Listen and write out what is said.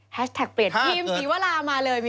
แฮชแท็กเปลี่ยนทีมศรีวรามาเลยมีนว่า